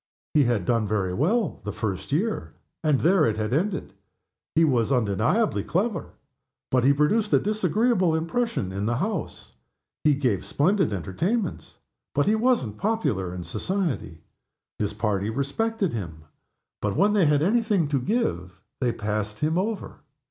He had done very well the first year, and there it had ended. He was undeniably clever, but he produced a disagreeable impression in the House. He gave splendid entertainments, but he wasn't popular in society. His party respected him, but when they had any thing to give they passed him over.